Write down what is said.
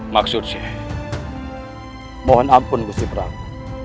maksudnya mohon ampun gusti prabu